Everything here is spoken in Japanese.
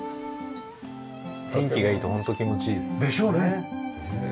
天気がいいとホント気持ちいいです。でしょうね。